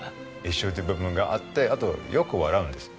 一緒っていう部分があってあとよく笑うんです。